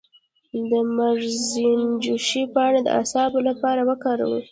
د مرزنجوش پاڼې د اعصابو لپاره وکاروئ